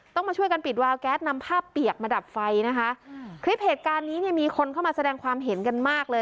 ต้องมาช่วยกันปิดวาวแก๊สนำภาพเปียกมาดับไฟนะคะคลิปเหตุการณ์นี้เนี่ยมีคนเข้ามาแสดงความเห็นกันมากเลย